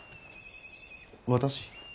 私？